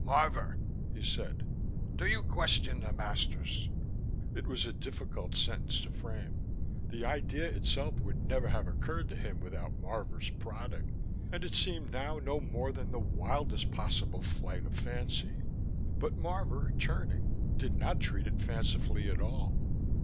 "Marvor," he said, "do you question the masters?" It was a difficult sentence to frame: the idea itself would never have occurred to him without Marvor's prodding, and it seemed now no more than the wildest possible flight of fancy. But Marvor, turning, did not treat it fancifully at all.